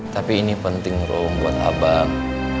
tapi ini penting rom buat abang